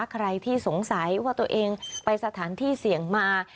ใครที่สงสัยว่าตัวเองไปสถานที่เสี่ยงมา